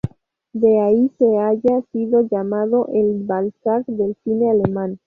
De ahí que haya sido llamado el Balzac del cine alemán.